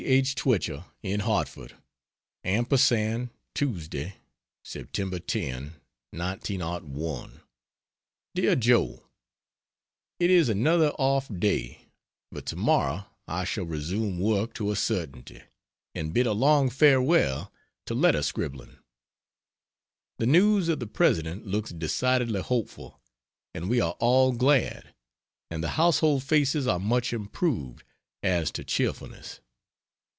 H. Twichell, in Hartford: AMPERSAND, Tuesday, (Sept. 10, 1901) DEAR JOE, It is another off day, but tomorrow I shall resume work to a certainty, and bid a long farewell to letter scribbling. The news of the President looks decidedly hopeful, and we are all glad, and the household faces are much improved, as to cheerfulness.